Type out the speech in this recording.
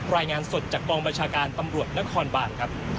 รายงานสดจากกองบัญชาการตำรวจนครบานครับ